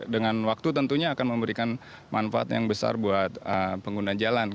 dengan waktu tentunya akan memberikan manfaat yang besar buat pengguna jalan